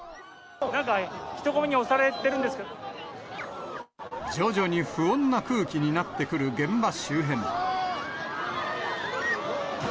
なんか人混みに押されてるん徐々に不穏な空気になってくる現場周辺。